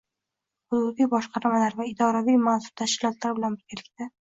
hududiy boshqarmalar va idoraviy mansub tashkilotlar bilan birgalikda